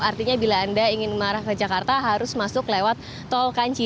artinya bila anda ingin mengarah ke jakarta harus masuk lewat tol kanci